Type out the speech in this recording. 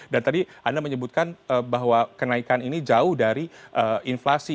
dan tadi anda menyebutkan bahwa kenaikan ini jauh dari inflasi